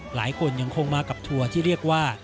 หลายคนยังคงมากับทัวร์ที่เรียกว่า